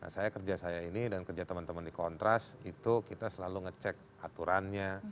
saya kerja saya ini dan kerja teman teman di kontras itu kita selalu ngecek aturannya